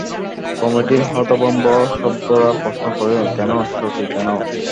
কমিটির হতভম্ব সভ্যেরা প্রশ্ন করিলেন, কেন শশী, কেন?